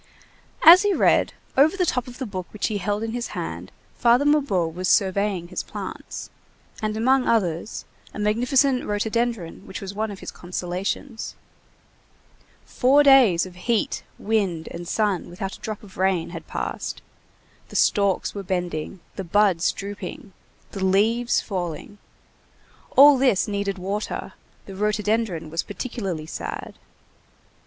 As he read, over the top of the book which he held in his hand, Father Mabeuf was surveying his plants, and among others a magnificent rhododendron which was one of his consolations; four days of heat, wind, and sun without a drop of rain, had passed; the stalks were bending, the buds drooping, the leaves falling; all this needed water, the rhododendron was particularly sad.